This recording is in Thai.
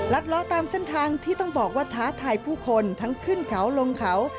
ล้อตามเส้นทางที่ต้องบอกว่าท้าทายผู้คนทั้งขึ้นเขาลงเขา